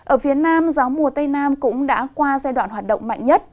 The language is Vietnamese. ở phía nam gió mùa tây nam cũng đã qua giai đoạn hoạt động mạnh nhất